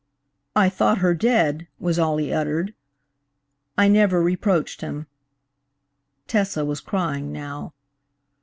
'I thought her dead,' was all he uttered. I never reproached him." (Tessa was crying now.)